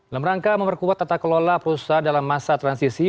dalam rangka memperkuat tata kelola perusahaan dalam masa transisi